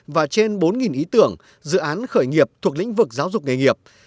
và trên bốn ý tưởng dự án khởi nghiệp thuộc lĩnh vực giáo dục nghề nghiệp